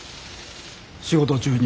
仕事中に。